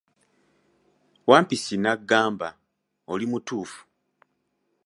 Wampisi n'agamba, oli mutuufu.